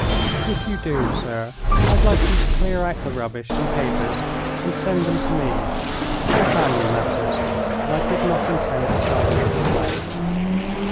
"If you do, sir, I'd like you to clear out the rubbish and papers and send them to me. They are family matters, and I did not intend to sell them with the place."